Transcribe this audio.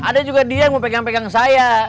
ada juga dia yang mau pegang pegang saya